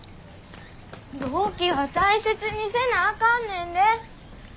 同期は大切にせなあかんねんで。